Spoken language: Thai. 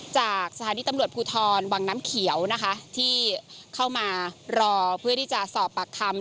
จากสถานีตำรวจภูทรวังน้ำเขียวนะคะที่เข้ามารอเพื่อที่จะสอบปากคำ